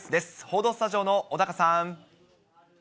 報道スタジオの小高さん。